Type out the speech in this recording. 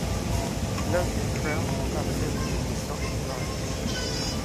Note that Crowd Infallibility is not implied.